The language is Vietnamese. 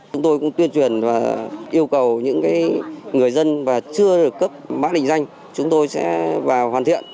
chúng tôi cũng tuyên truyền và yêu cầu những người dân chưa cấp bác định danh chúng tôi sẽ vào hoàn thiện